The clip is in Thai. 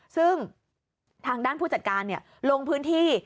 ซึ่งทางด้านผู้จัดการลงพื้นที่